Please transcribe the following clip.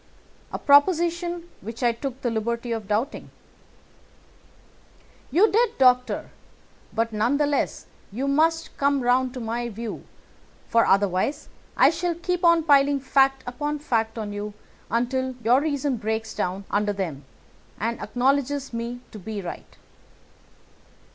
"A proposition which I took the liberty of doubting." "You did, Doctor, but none the less you must come round to my view, for otherwise I shall keep on piling fact upon fact on you until your reason breaks down under them and acknowledges me to be right.